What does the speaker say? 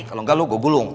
kalau enggak lo gue gulung